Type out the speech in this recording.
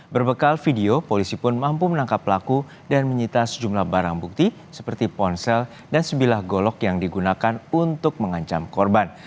berbekal video polisi pun mampu menangkap pelaku dan menyita sejumlah barang bukti seperti ponsel dan sebilah golok yang digunakan untuk mengancam korban